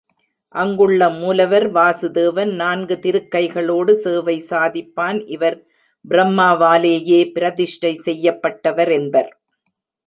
அங்குள்ள மூலவர் வாசுதேவன் நான்கு திருக்கைகளோடு சேவை சாதிப்பான், இவர் பிரம்மாவாலேயே பிரதிஷ்டை செய்யப்பட்டவர் என்பர்.